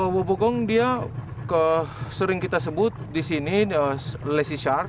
wobegong dia sering kita sebut di sini lazy shark